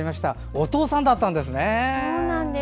お父さんだったんですね。